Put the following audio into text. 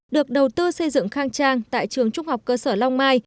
được đầu tư xây dựng khang trang tại trường trung học cơ sở long mai